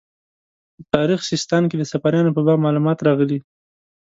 په تاریخ سیستان کې د صفاریانو په باب معلومات راغلي.